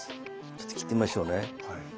ちょっと切ってみましょうね。